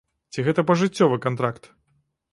Ці гэта пажыццёвы кантракт?